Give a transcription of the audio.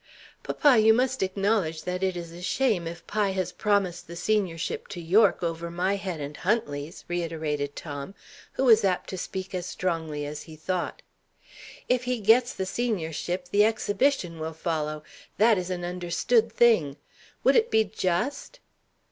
"Papa, you must acknowledge that it is a shame if Pye has promised the seniorship to Yorke, over my head and Huntley's," reiterated Tom, who was apt to speak as strongly as he thought. "If he gets the seniorship, the exhibition will follow; that is an understood thing. Would it be just?"